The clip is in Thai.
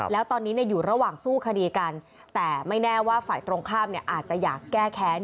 แล้วตอนนี้อยู่ระหว่างสู้คดีกันแต่ไม่แน่ว่าฝ่ายตรงข้ามอาจจะอยากแก้แค้น